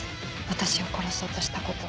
私を殺そうとしたこと。